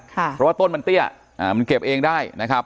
เพราะว่าต้นมันเตี้ยมันเก็บเองได้นะครับ